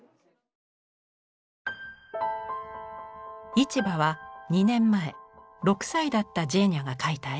「市場」は２年前６歳だったジェーニャが描いた絵。